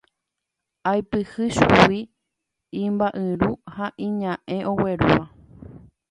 aipyhy chugui imba'yru ha iña'ẽ oguerúva